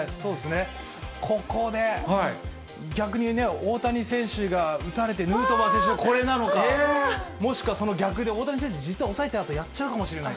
ここで逆に大谷選手が打たれて、ヌートバー選手がこれなのか。もしくはその逆で、大谷選手、実は抑えたあと、やっちゃうかもしれない。